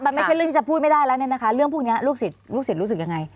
มันไม่เฉนขุดจะพูดไม่ได้แล้วนะคะเรื่องพวกเนี้ยลูกศิษย์ลูกศิษย์รู้สึกยังไง